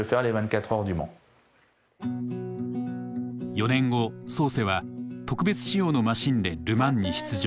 ４年後ソーセは特別仕様のマシンでル・マンに出場。